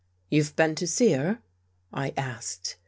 "You've been to see her?" I asked.